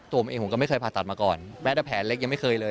เองผมก็ไม่เคยผ่าตัดมาก่อนแม้แต่แผลเล็กยังไม่เคยเลย